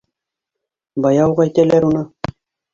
Бая уҡ әйтәләр уны.